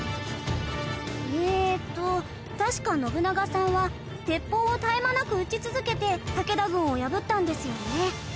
えーっと確か信長さんは鉄砲を絶え間なく撃ち続けて武田軍を破ったんですよね。